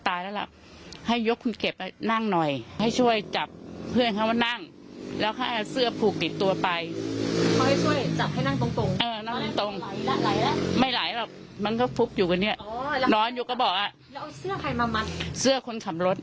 ตายแล้วละให้ยกคนเก็บก็นั่งหน่อยให้ช่วยจับเพื่อน